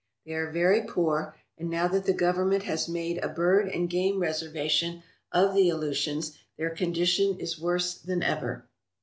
They are very poor, and now that the Government has made a bird and game reservation of the Aleutians, their condition is worse than ever.